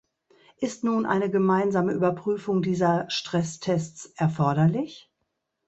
Ist nun eine gemeinsame Überprüfung dieser Stresstests erforderlich?